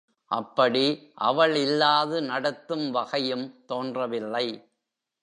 அப்படி அவள் இல்லாது நடத்தும் வகையும் தோன்றவில்லை.